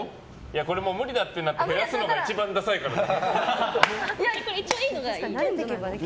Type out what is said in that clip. これ無理だってなって減らすのが一番ダサいからね。